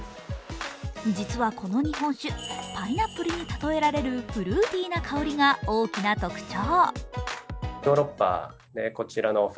実はこの日本酒、パイナップルに例えられるフルーティーな香りが大きな特徴。